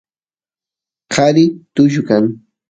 qari tullu kan